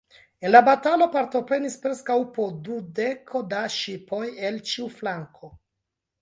En la batalo partoprenis preskaŭ po dudeko da ŝipoj el ĉiu flanko.